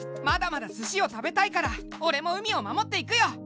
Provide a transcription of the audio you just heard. まだまだスシを食べたいからオレも海を守っていくよ！